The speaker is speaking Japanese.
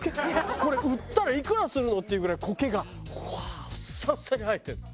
これ売ったらいくらするの？っていうぐらい苔がふわーふっさふさに生えてるの。